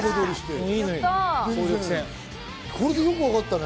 これでよくわかったね。